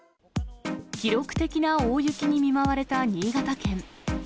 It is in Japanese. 記録的な大雪に見舞われた新潟県。